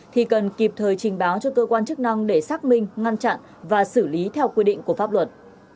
thì cần kịp thời trình báo cho cơ quan chức năng để xác minh ngăn chặn và xử lý theo quy định của pháp luật